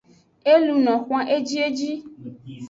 E luno xwan ejieji.